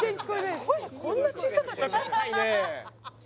声こんな小さかった？